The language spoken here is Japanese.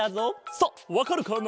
さあわかるかな？